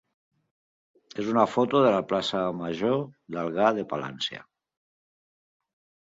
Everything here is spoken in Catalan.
és una foto de la plaça major d'Algar de Palància.